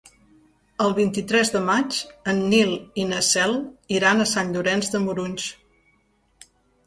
El vint-i-tres de maig en Nil i na Cel iran a Sant Llorenç de Morunys.